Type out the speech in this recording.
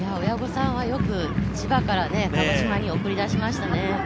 親御さんは、よく千葉から鹿児島に送り出しましたね。